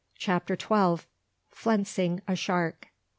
CHAPTER TWELVE. FLENSING A SHARK.